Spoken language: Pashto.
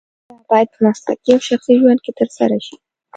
دا باید په مسلکي او شخصي ژوند کې ترسره شي.